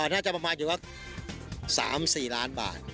น่าจะประมาณอยู่ว่า๓๔ล้านบาท